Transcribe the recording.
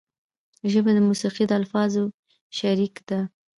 ژبه د موسیقۍ د الفاظو شریک ده